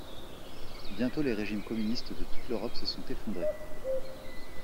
Bientôt, les régimes communistes de toute l'Europe se sont effondrés.